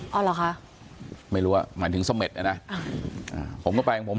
อ๋อเหรอคะไม่รู้อ่ะหมายถึงส่อเม็ดน่ะอ่าผมก็แปลงผม